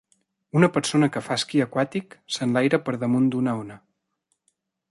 Una persona que fa esquí aquàtic s'enlaira per damunt d'una ona